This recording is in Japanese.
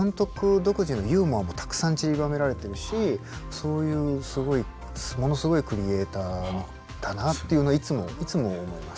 独自のユーモアもたくさんちりばめられてるしそういうものすごいクリエーターだなっていうのはいつも思います。